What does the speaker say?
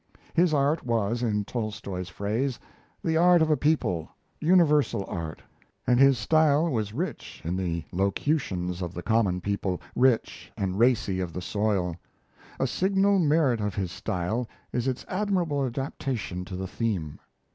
His art was, in Tolstoy's phrase, "the art of a people universal art"; and his style was rich in the locutions of the common people, rich and racy of the soil. A signal merit of his style is its admirable adaptation to the theme.